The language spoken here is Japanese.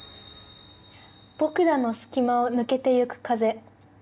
「ぼくらの隙間を抜けてゆく風」。